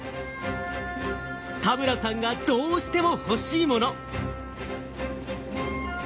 田村さんがどうしても欲しいもの。